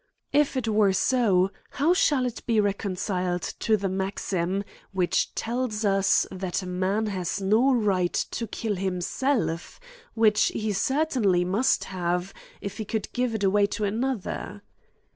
If it were so, how shall it be Aconciled to the maxim which tells us, that a man has no right to kill himself, which he certain ly must have, if he could give it away to another